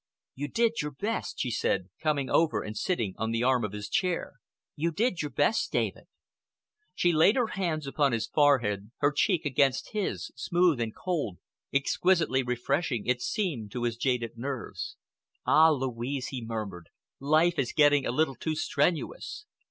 "You did your best," she said, coming over and sitting on the arm of his chair. "You did your best, David." She laid her hands upon his forehead, her cheek against his—smooth and cold—exquisitely refreshing it seemed to his jaded nerves. "Ah, Louise!" he murmured, "life is getting a little too strenuous.